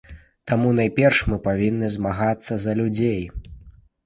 Таму, найперш, мы павінны змагацца за людзей.